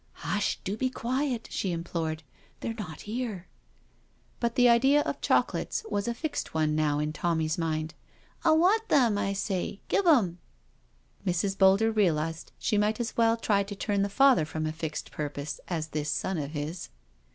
"Hushl do be quiet," she implored, "they're not here." But the idea of chocolates was a fixed one now in Tommy's mind. " I want them, I say— give 'em •.." Mrs. Boulder realised she might as well try to turn the father from a fixed purpose as this son of his.